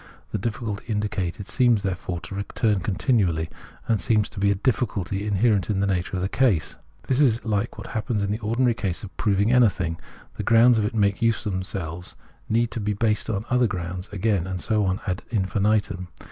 The difficulty indicated seems there fore to recur continually, and seems to be a difficulty inherent in the nature of the case. This is like what happens in the ordinary process of proving anything ; the grounds it makes iise of themselves need to be based on other grounds again, and so on ad infinitum.